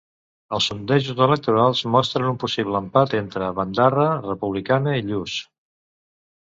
Els sondejos electorals mostren un possible empat entre bandarra republicana i lluç.